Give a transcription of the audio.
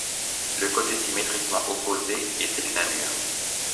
Le côté symétriquement opposé était une amure.